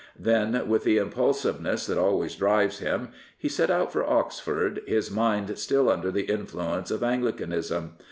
Then, with the impulsive ness that always drives him, he set out for Oxford, his mind still under the influence of Anglicanism.